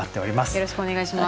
よろしくお願いします。